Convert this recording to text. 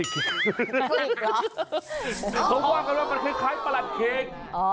เขาว่ากันว่ามันคล้ายประหลัดเค้ก